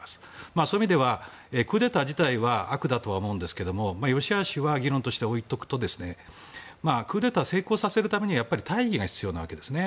そういう意味ではクーデター自体は悪だと思うんですがよしあしは議論として置いておくとクーデター、成功させるためには大義が必要なわけですね。